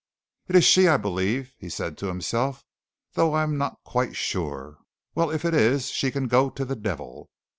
"It is she, I believe," he said to himself, "though I am not quite sure. Well, if it is she can go to the devil!"